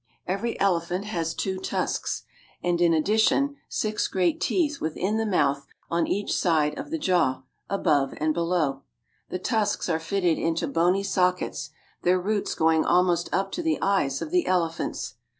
Every elephant has two tusks; and in addition six great teeth within the mouth on each side of the jaw, above and below. The tusks are fitted into bony sockets, their roots going almost up to the eyes of the elephants.